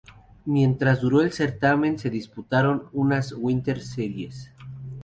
Mientras duro el certamen se disputaron unas Winter Series.